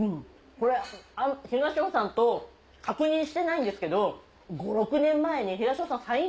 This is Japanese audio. これ東野さんと確認してないんですけど。